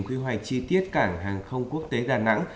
quy hoạch chi tiết cảng hàng không quốc tế đà nẵng